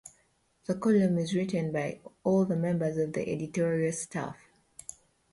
The column is written by all the members of the editorial staff.